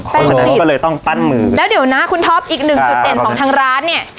เพราะฉะนั้นก็เลยต้องปั้นมือแล้วเดี๋ยวนะคุณท็อปอีกหนึ่งจุดเด่นของทางร้านเนี่ย